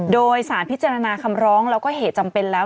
โดยสารพิจารณาคำร้องแล้วก็เหตุจำเป็นแล้ว